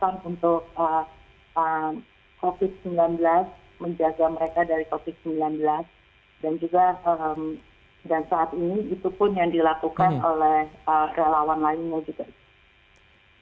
dan juga saat ini itu pun yang dilakukan oleh rakyat